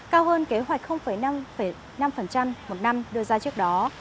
cao hơn kế hoạch năm năm một năm đưa ra trước đó